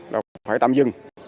là phải tạm dừng